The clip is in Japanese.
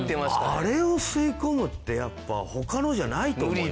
あれを吸い込むってやっぱ他のじゃないと思います。